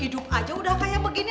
hidup aja udah kayak begini